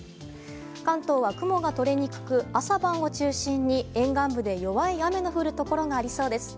関東は雲が取れにくく朝晩を中心に沿岸部で弱い雨の降るところがありそうです。